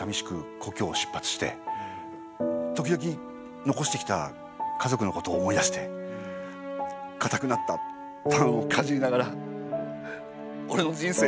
故郷を出発して時々残してきた家族のことを思い出してかたくなったパンをかじりながらおれの人生